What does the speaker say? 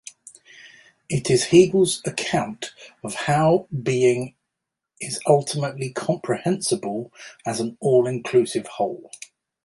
It is Hegel's account of how being is ultimately comprehensible as an all-inclusive whole.